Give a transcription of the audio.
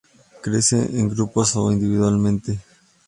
Crece en grupos o individualmente.